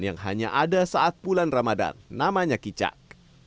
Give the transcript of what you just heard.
yang hanya ada saat bulan ramadan namanya kicak